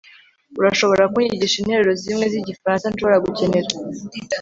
urashobora kunyigisha interuro zimwe zigifaransa nshobora gukenera